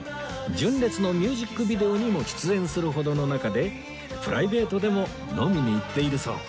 純烈のミュージックビデオにも出演するほどの仲でプライベートでも飲みに行っているそう